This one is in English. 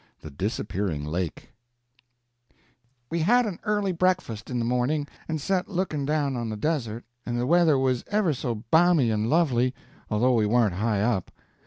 THE DISAPPEARING LAKE We had an early breakfast in the morning, and set looking down on the desert, and the weather was ever so bammy and lovely, although we warn't high up.